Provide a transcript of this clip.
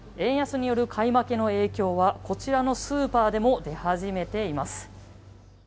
負けによる影響はこちらのスーパーでも出始めています。